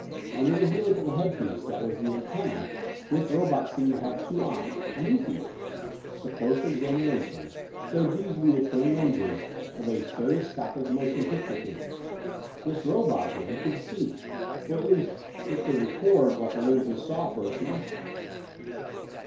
Under the helical headpiece that was the antenna this robot seemed to have two eyes a new feature but closer examination showed these to be the twin lenses of a stereoscopic motion picture camera. This robot, then, could see. Or at least it could record what the lenses saw for its masters.